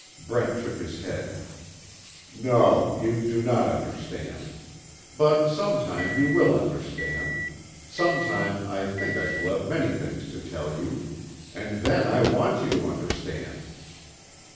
Brent shook his head: "No, you do not understand. But, sometime you will understand. Sometime I think I shall have many things to tell you and then I want you to understand."